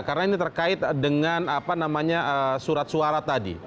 karena ini terkait dengan surat suara tadi